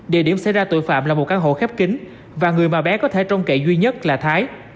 địa điểm xảy ra tội phạm là một căn hộ khép kính và người mà bé có thể trông cậy duy nhất là thái